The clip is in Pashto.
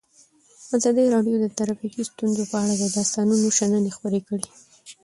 ازادي راډیو د ټرافیکي ستونزې په اړه د استادانو شننې خپرې کړي.